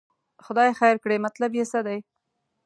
خدای خیر کړي، مطلب یې څه دی.